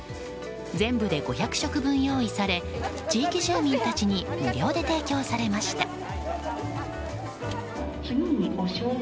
全部で５００食分用意され地域住民たちに無料で提供されました。